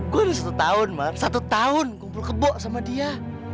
gue udah satu tahun man satu tahun kumpul kebo sama dia